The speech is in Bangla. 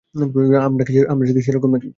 আমরা কি সেরকম?